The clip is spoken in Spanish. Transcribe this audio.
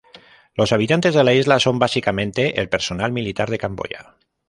Los habitantes de la isla son básicamente el personal militar de Camboya.